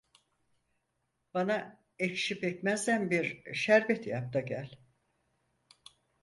Bana ekşi pekmezden bir şerbet yap da gel.